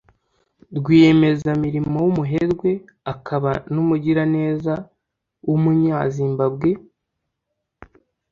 Rwiyemezamirimo w’Umuherwe akaba n’Umugiraneza w’Umunya-Zimbabwe